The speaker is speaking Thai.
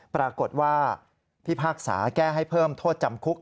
ปรากฏว่าพิพากษาแก้ให้เพิ่มโทษจำคุก